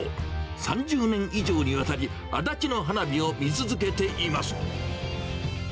３０年以上にわたり、足立の花火を見続けています。